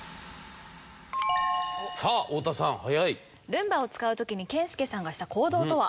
ルンバを使う時に健介さんがした行動とは？